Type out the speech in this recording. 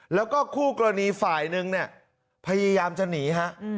แล้วก็คู่กรณีฝ่ายหนึ่งเนี่ยพยายามจะหนีฮะ